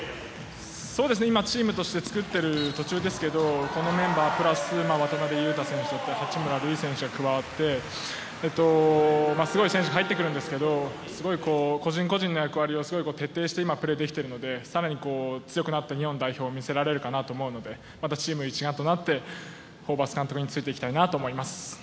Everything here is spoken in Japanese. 今、チームとして作っている途中ですがこのメンバープラス渡邊雄太選手だったり八村塁選手が加わってすごい選手が入ってくるんですけどすごい個人個人の役割を徹底してプレーできているので更に強くなった日本代表を見せられるかなと思うのでまたチーム一丸となってホーバス監督についていきたいなと思います。